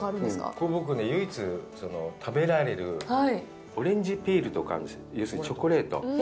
ここ、僕ね、唯一食べられるオレンジピールとかの要するに、チョコレート。